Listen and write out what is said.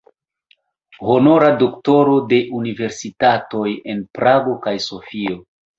Honora doktoro de universitatoj en Prago kaj Sofio.